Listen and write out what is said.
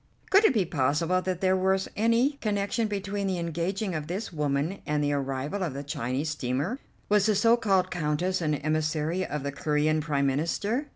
Could it be possible that there was any connection between the engaging of this woman and the arrival of the Chinese steamer? Was the so called Countess an emissary of the Corean Prime Minister?